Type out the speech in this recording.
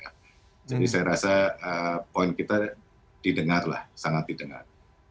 jadi saya rasa poin kita didengar lah sangat didengar